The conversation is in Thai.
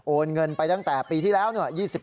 โอนเงินไปตั้งแต่ปีที่แล้วเนี่ย